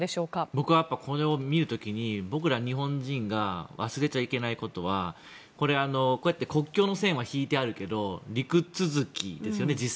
僕は、これを見る時に僕ら日本人が忘れちゃいけないことは国境の線は引いてあるけど実際は陸続きですよね。